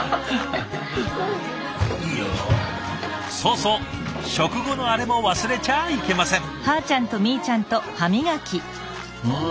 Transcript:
そうそう食後のあれも忘れちゃいけません。